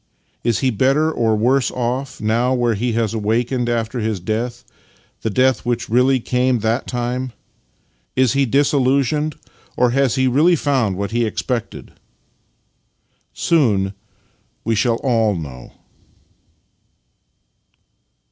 Is he better or worse off now where he has awakened after his death — the death which really came that time? Is he disillusioned, or has he really found what he expected? Soon we shall all know.